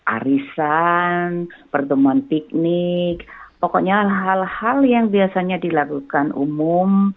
arisan pertemuan piknik pokoknya hal hal yang biasanya dilakukan umum